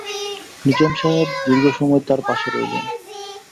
নিজাম সাহেব দীর্ঘ সময় তার পাশে রইলেন।